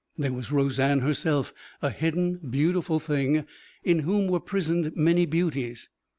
There was Roseanne herself, a hidden beautiful thing in whom were prisoned many beauties.